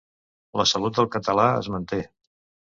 La salut del català es manté